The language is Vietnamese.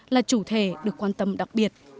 là chủ thể được quan tâm đặc biệt